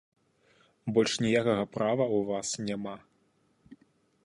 Больш ніякага права ў вас няма.